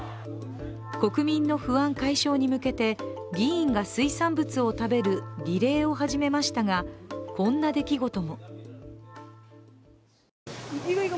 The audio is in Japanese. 国民の不安解消に向けて議員が水産物を食べるリレーを始めましたが、こんな出来事も。